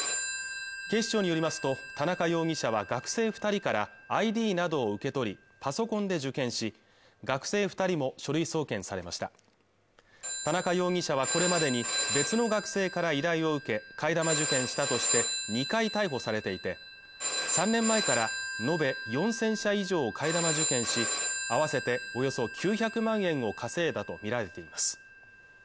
警視庁によりますと田中容疑者は学生二人からＩＤなどを受け取りパソコンで受検し学生二人も書類送検されました田中容疑者はこれまでに別の学生から依頼を受け替え玉受検したとして２回逮捕されていて３年前から延べ４０００社以上替え玉受検し合わせておよそ９００万円を稼いだとみられています